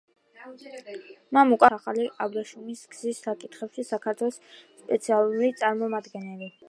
მამუკა ბახტაძე აგრეთვე არის „ახალი აბრეშუმის გზის“ საკითხებში საქართველოს სპეციალური წარმომადგენელი.